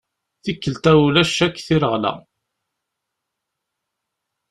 Tikkelt-a ulac akk tireɣla.